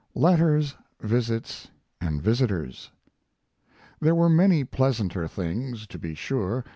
LETTERS, VISITS, AND VISITORS There were many pleasanter things, to be sure.